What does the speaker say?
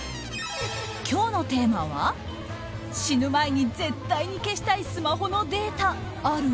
今日のテーマは死ぬ前に絶対に消したいスマホのデータ、ある？